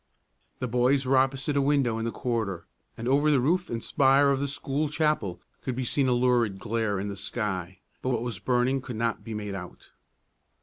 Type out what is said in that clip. The boys were opposite a window in the corridor, and over the roof and spire of the school chapel could be seen a lurid glare in the sky, but what was burning could not be made out.